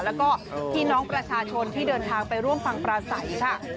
แล้วก็พี่น้องประชาชนที่เดินทางไปร่วมฟังปราศัยค่ะ